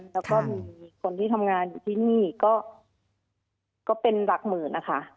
แล้วก็มีคนที่ทำงานอยู่ที่นี่ก็เป็นหลักหมื่นนะคะ